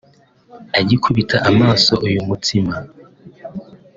Agikubita amaso uyu mutsima